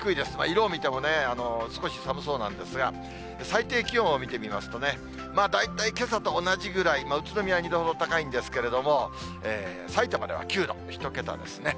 色を見てもね、少し寒そうなんですが、最低気温を見てみますとね、大体けさと同じぐらい、宇都宮２度ほど高いんですけれども、さいたまでは９度、１桁ですね。